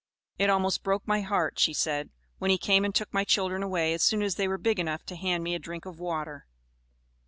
"It almost broke my heart," she said, "when he came and took my children away as soon as they were big enough to hand me a drink of water.